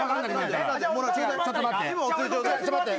ちょっと待って。